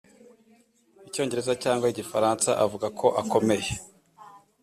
Icyongereza cyangwa Igifaransa avuga ko akomeye